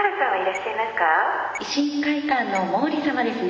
維新会館の毛利様ですね。